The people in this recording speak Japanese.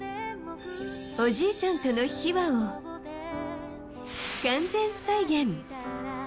おじいちゃんとの秘話を完全再現。